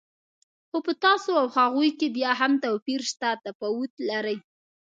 خو په تاسو او هغوی کې بیا هم توپیر شته، تفاوت لرئ.